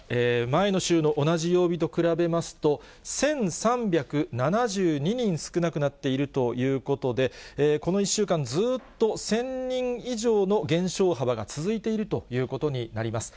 前の週の同じ曜日と比べますと、１３７２人少なくなっているということで、この１週間、ずっと１０００人以上の減少幅が続いているということになります。